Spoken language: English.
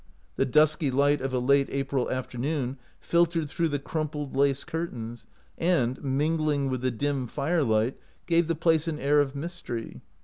The dusky light of a late April afternoon filtered through the crumpled lace curtains, and, mingling with the dim firelight, gave the place an air of mystery.